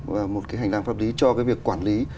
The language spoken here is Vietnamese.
và một cái hành lang pháp lý cho cái việc quản lý